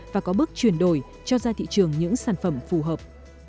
và có bước chuyển đổi cho ra thị trường những sản phẩm phù hợp